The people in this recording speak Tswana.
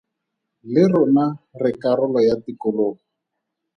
Le rona re karolo ya tikologo!